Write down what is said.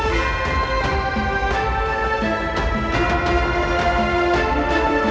สวัสดีครับสวัสดีครับ